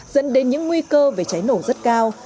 dẫn đến những nguy cơ về cháy nổ rất cao